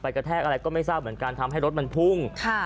กระแทกอะไรก็ไม่ทราบเหมือนกันทำให้รถมันพุ่ง